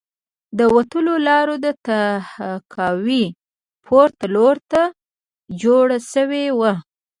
د وتلو لاره د تهکوي پورته لور ته جوړه شوې وه